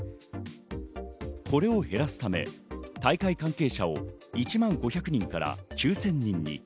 これを減らすため、大会関係者を１万５００人から９０００人に。